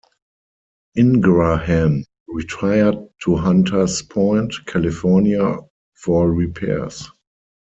"Ingraham" retired to Hunter's Point, California, for repairs.